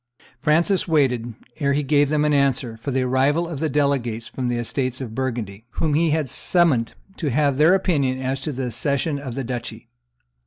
Francis waited, ere he gave them an answer, for the arrival of the delegates from the estates of Burgundy, whom he had summoned to have their opinion as to the cession of the duchy.